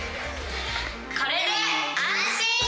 これで安心！